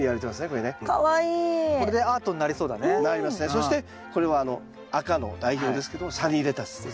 そしてこれは赤の代表ですけどもサニーレタスですね。